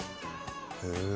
へえ。